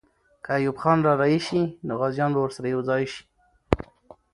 که ایوب خان را رهي سي، نو غازیان به ورسره یو ځای سي.